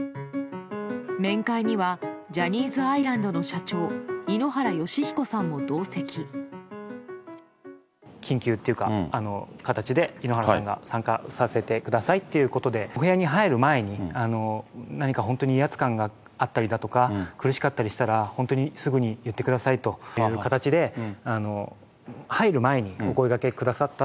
面会には、ジャニーズアイランドの社長、緊急という形で、井ノ原さんが参加させてくださいっていうことで、お部屋に入る前に、何か本当に威圧感があったりだとか、苦しかったりしたら、本当にすぐに言ってくださいという形で、入る前にお声がけくださった。